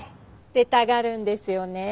出たがるんですよねえ。